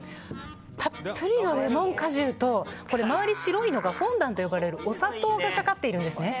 たっぷりのレモン果汁と周り、白いのがフォンダンと呼ばれるお砂糖がかかってるんです。